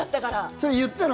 それ言ったの？